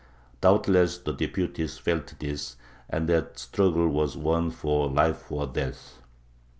Doubtless the deputies felt this, and that the struggle was one for life or death.